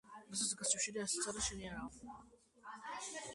მთლიანობაში, საფულეს, რომელშიც ფული არ იდო, მპოვნელთა მხოლოდ ნახევარი აბრუნებდა.